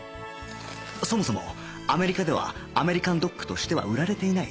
そもそもアメリカではアメリカンドッグとしては売られていない